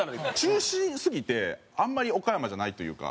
中心すぎてあんまり岡山じゃないというか。